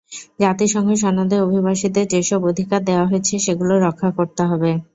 জাতিসংঘ সনদে অভিবাসীদের যেসব অধিকার দেওয়া হয়েছে, সেগুলো রক্ষা করতে হবে।